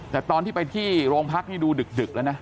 แต่ตอนที่ไปที่โรงพักนี่ดูดึกแล้วนะ